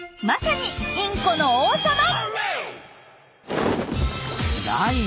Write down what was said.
まさにインコの王様！